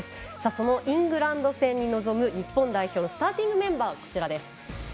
そのイングランド戦に臨む日本代表のスターティングメンバーはこちら。